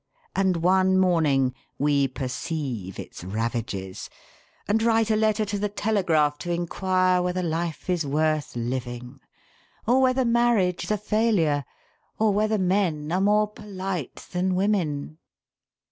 And one morning we perceive its ravages and write a letter to the Telegraph to inquire whether life is worth living, or whether marriage is a failure, or whether men are more polite than women.